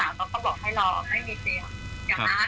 แต่ละหน่อยนะคะเขาก็บอกว่าให้โทรไปทางสิทธิ์ที่เขารักษา